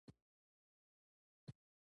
کچالو له وازګو پاک دي